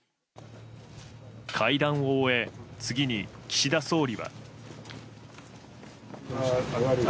会談を終え、次に岸田総理は。